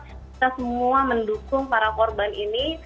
kita semua mendukung para korban ini